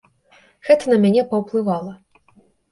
Гэта на мяне паўплывала.